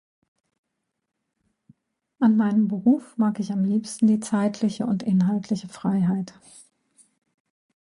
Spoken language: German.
An meinen Beruf mag ich am liebsten die zeitliche und inhaltliche Freiheit.